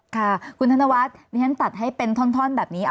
ค่ะคุณธนวัฒน์ดิฉันตัดให้เป็นท่อนแบบนี้